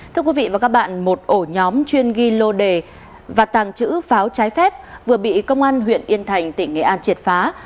thưa quý vị và các bạn một ổ nhóm chuyên ghi lô đề và tàng trữ pháo trái phép vừa bị công an huyện yên thành tỉnh nghệ an triệt phá